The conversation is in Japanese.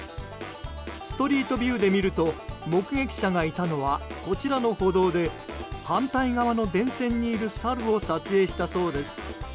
ストリートビューで見ると目撃者がいたのはこちらの歩道で反対側の電線にいるサルを撮影したそうです。